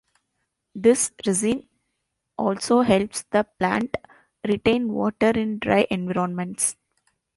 This resin also helps the plant retain water in dry environments.